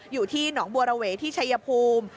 อยู่ที่หนองบัวระเวที่ชัยภูมิ